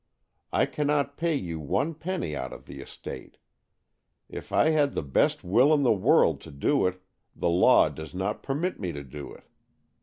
I cannot pay you one penny out of the estate; if I had the best will in the world to do it, the law does not permit me to do it.